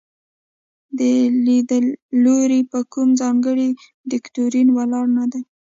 دا لیدلوری په کوم ځانګړي دوکتورین ولاړ نه دی.